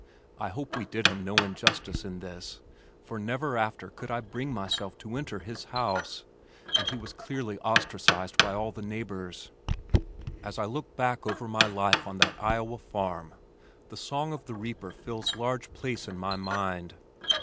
I hope we did him no injustice in this for never after could I bring myself to enter his house, and he was clearly ostracized by all the neighbors. As I look back over my life on that Iowa farm the song of the reaper fills large place in my mind.